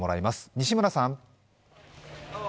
西村さん。